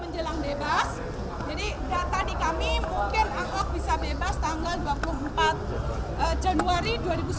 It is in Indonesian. jadi data di kami mungkin ahok bisa bebas tanggal dua puluh empat januari dua ribu sembilan belas